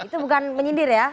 itu bukan menyindir ya